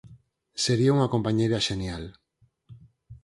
Sería unha compañeira xenial.